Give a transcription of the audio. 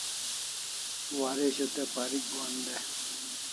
Waresho te parik gohan dai